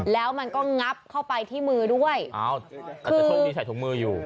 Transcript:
แล้วมันก็งับเข้าไปที่มือด้วยอ้าวอาจจะโชคดีใส่ถุงมืออยู่